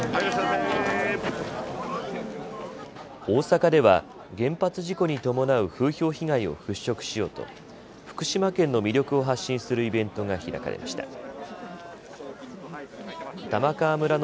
大阪では原発事故に伴う風評被害を払拭しようと福島県の魅力を発信するイベントが開かれました。